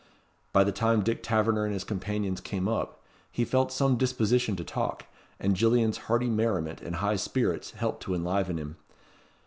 By the time Dick Taverner and his companions came up, he felt some disposition to talk, and Gillian's hearty merriment and high spirits helped to enliven him.